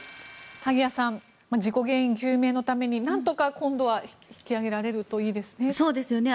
萩谷さん、事故原因究明のためになんとか今度は引き揚げられるといいですね。